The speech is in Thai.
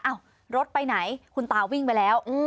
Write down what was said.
รถไปไหนคุณตาวิ่งไปแล้ว